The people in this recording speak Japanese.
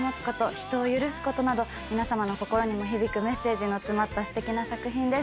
人を許すことなど皆様の心にも響くメッセージの詰まったステキな作品です。